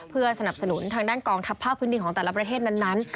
เพื่อสนับสนุนทางด้านกองทัพภาคพื้นดินของแต่ละประเทศนั้น